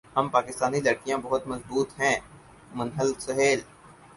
ہم پاکستانی لڑکیاں بہت مضبوط ہیں منہل سہیل